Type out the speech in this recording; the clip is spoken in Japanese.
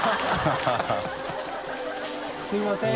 すみません。